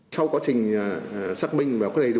sau quá trình xác minh và có đầy đủ